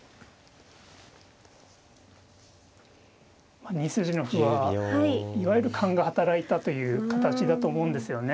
まあ２筋の歩はいわゆる勘が働いたという形だと思うんですよね。